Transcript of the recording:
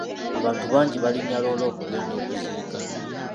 Abantu bangi baalinya loole okugenda okuziika.